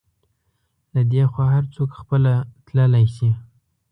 له دې خوا هر څوک خپله تللی شي.